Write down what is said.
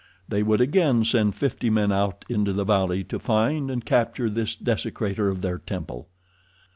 They would again send fifty men out into the valley to find and capture this desecrater of their temple.